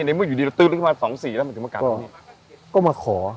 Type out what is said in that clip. ในเมื่ออยู่ดีละตึกลงมาสองสี่แล้วมันถึงมากราบที่นี่ก็มาขอ